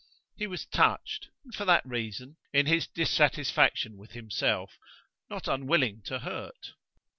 He was touched, and for that reason, in his dissatisfaction with himself, not unwilling to hurt.